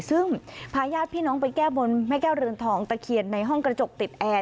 ซึ่งพาญาติพี่น้องไปแก้บนแม่แก้วเรือนทองตะเคียนในห้องกระจกติดแอร์